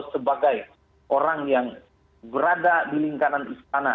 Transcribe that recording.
sebagai orang yang berada di lingkaran istana